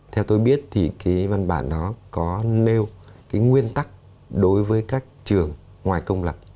theo tôi biết thì cái văn bản đó có nêu cái nguyên tắc đối với các trường ngoài công lập